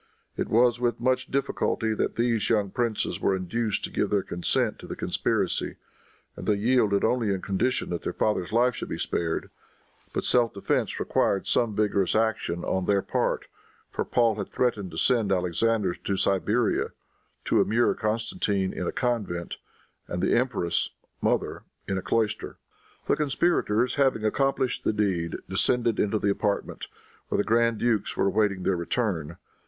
It was with much difficulty that these young princes were induced to give their consent to the conspiracy, and they yielded only on condition that their father's life should be spared. But self defense required some vigorous action on their part, for Paul had threatened to send Alexander to Siberia, to immure Constantine in a convent, and the empress mother in a cloister. The conspirators having accomplished the deed, descended into the apartment, where the grand dukes were awaiting their return.